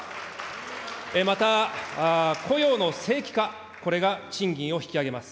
また、雇用の正規化、これが賃金を引き上げます。